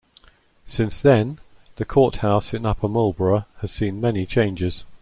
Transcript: Since then, the courthouse in Upper Marlboro has seen many changes.